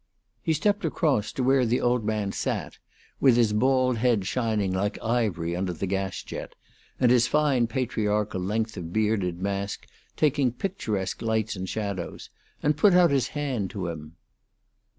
He stepped across to where the old man sat, with his bald head shining like ivory under the gas jet, and his fine patriarchal length of bearded mask taking picturesque lights and shadows, and put out his hand to him.